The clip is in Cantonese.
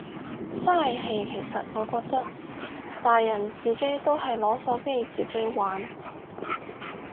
嘥氣其實我覺得，大人自己都係攞手機自己玩。